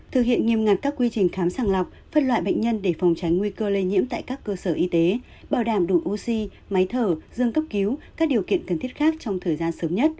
thực hiện nghiêm ngặt các quy trình khám sàng lọc phân loại bệnh nhân để phòng tránh nguy cơ lây nhiễm tại các cơ sở y tế bảo đảm đủ oxy máy thở dương cấp cứu các điều kiện cần thiết khác trong thời gian sớm nhất